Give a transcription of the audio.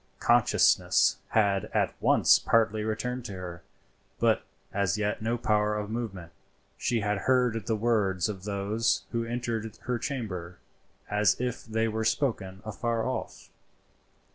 Consciousness had at once partly returned to her, but as yet no power of movement. She had heard the words of those who entered her chamber as if they were spoken afar off.